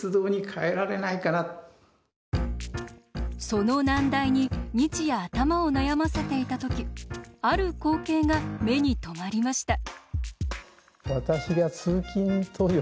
その難題に日夜頭を悩ませていた時ある光景が目に留まりました。